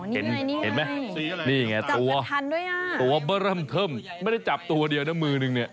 เห็นไหมนี่ไงตัวเบอร์เริ่มเทิมไม่ได้จับตัวเดียวนะมือนึงเนี่ย